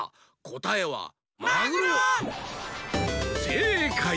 せいかい！